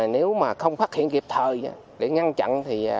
nếu mà không phát hiện kịp thời để ngăn chặn thì